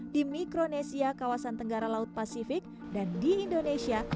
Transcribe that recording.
di micronesia kawasan tenggara laut pasifik di indonesia